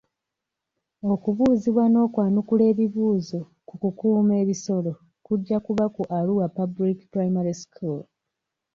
Okubuuzibwa n'okwanukula ebibuuzo ku kukuuma ebisolo kujja kuba ku Arua public primary school.